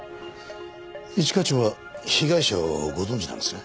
一課長は被害者をご存じなんですね？